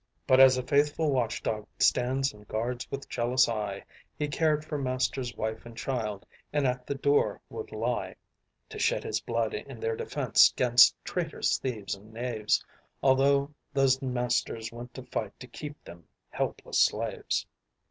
"But as a faithful watch dog stands and guards with jealous eye, He cared for master's wife and child, and at the door would lie, To shed his blood in their defense, 'gainst traitors, thieves, and knaves, Altho' those masters went to fight to keep them helpless slaves."